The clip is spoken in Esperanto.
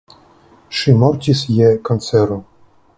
Ŝi mortis je kancero.